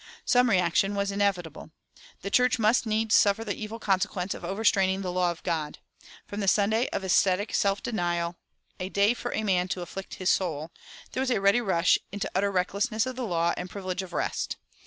Some reaction was inevitable. The church must needs suffer the evil consequence of overstraining the law of God. From the Sunday of ascetic self denial "a day for a man to afflict his soul" there was a ready rush into utter recklessness of the law and privilege of rest.